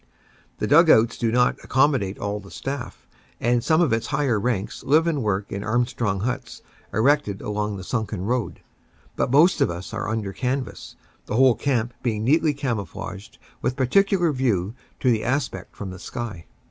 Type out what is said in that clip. The dug outs do not accommodate all the staff, and some of its higher ranks live and work in Armstrong huts erected along the sunken road, but most of us are under canvas, the whole camp being neatly camouflaged with particular view to the aspect from the sky.